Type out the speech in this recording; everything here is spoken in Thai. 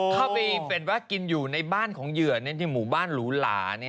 เข้าไปเป็นว่ากินอยู่ในบ้านของเหยื่อที่หมู่บ้านหรูหลา